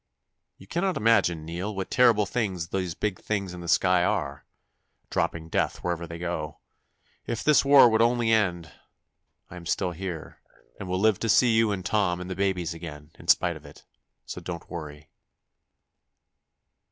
"... You cannot imagine, Nell, what terrible things those big things in the sky are, dropping death wherever they go. If this war would only end.... I am still here, and will live to see you and Tom and the babies again, in spite of it. So don't worry."